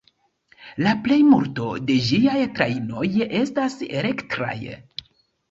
La plejmulto de ĝiaj trajnoj estas elektraj.